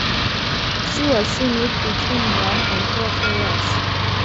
Shu was seen with between one and four feathers.